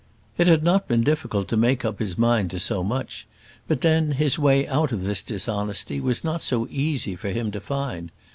It had not been difficult to make up his mind to so much; but then, his way out of this dishonesty was not so easy for him to find.